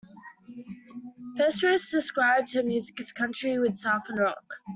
Pieterse describes her music as "country with southern rock".